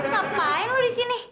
ngapain lo disini